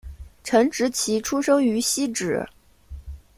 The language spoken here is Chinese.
陈植棋出生于汐止